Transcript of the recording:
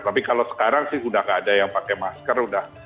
tapi kalau sekarang sih sudah tidak ada yang pakai masker udah